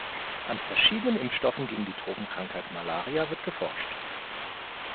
An verschiedenen Impfstoffen gegen die Tropenkrankheit Malaria wird geforscht.